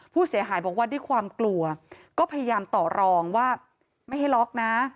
ผู้เสียหายบอกว่าด้วยความกลัวก็พยายามต่อรองว่าไม่ให้ล็อกนะ